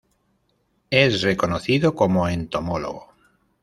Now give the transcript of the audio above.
Es reconocido como entomólogo.